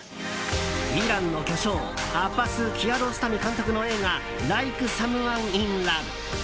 イランの巨匠アッバス・キアロスタミ監督の映画「ライク・サムワン・イン・ラブ」。